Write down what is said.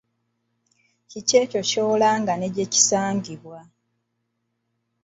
Kiki ky'olanga ne gye kisangibwa?